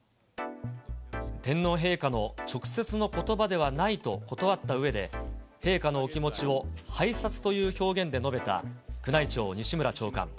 天皇陛下の直接のことばではないと断ったうえで、陛下のお気持ちを拝察という表現で述べた、宮内庁、西村長官。